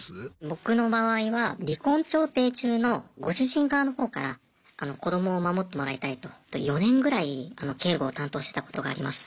僕の場合は離婚調停中のご主人側のほうから子どもを守ってもらいたいと４年ぐらい警護を担当してたことがありました。